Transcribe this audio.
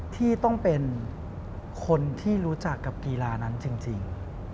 ที่ต้องเป็นคนที่รู้จักกับกีฬานั้นจริง